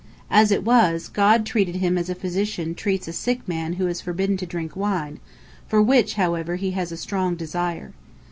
As it was, God treated him as a physician treats a sick man who is forbidden to drink wine, for which, however, he has a strong desire.